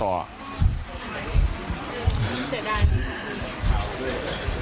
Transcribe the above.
เสียดาย